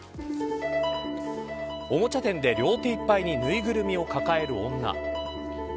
おもちゃ店で両手いっぱいにぬいぐるみを抱える女。